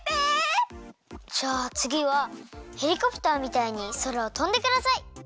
じゃあつぎはヘリコプターみたいにそらをとんでください！